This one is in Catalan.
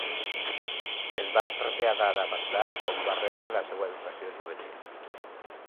Es va traslladar a Bagdad, on va rebre la seva educació juvenil.